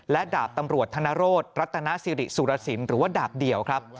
และดาบตำรวจธนโรธรัตนสิริสุรสินหรือว่าดาบเดียวครับ